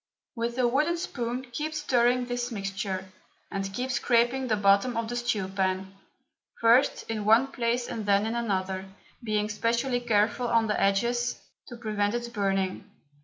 With a wooden spoon keep stirring this mixture, and keep scraping the bottom of the stew pan, first in one place and then in another, being specially careful of the edges, to prevent its burning.